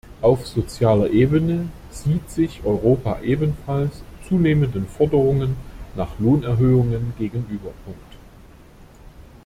Auf sozialer Ebene sieht sich Europa ebenfalls zunehmenden Forderungen nach Lohnerhöhungen gegenüber.